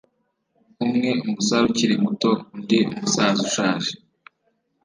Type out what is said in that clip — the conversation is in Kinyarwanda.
umwe, umusare ukiri muto; undi, umusaza ushaje